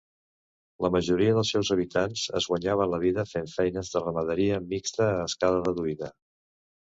La majoria dels seus habitants es guanyaven la vida fent feines de ramaderia mixta a escala reduïda.